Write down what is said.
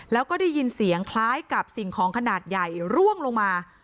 แล้วก็ได้ยินเสียงคล้ายกับสิ่งของขนาดใหญ่ร่วงลงมา